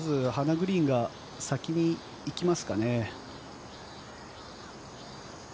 まずハナ・グリーンが先に行きますかね？